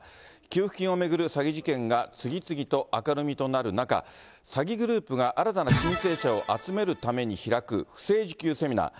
給付金を巡る詐欺事件が次々と明るみとなる中、詐欺グループが新たな申請者を集めるために開く不正受給セミナー。